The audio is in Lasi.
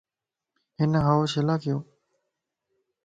ھن ھاو ڇيلا ڪيو؟